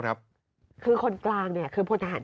คือคนกลางคือพนฐานชะนันยูนะ